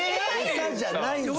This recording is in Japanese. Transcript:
餌じゃないんすよ。